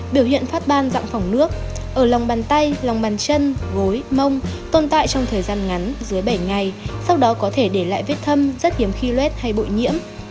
biểu hiện phát ban dạng phòng nước ở lòng bàn tay lòng bàn chân gối mông tồn tại trong thời gian ngắn dưới bảy ngày sau đó có thể để lại vết thâm rất hiếm khi luet hay bụi nhiễm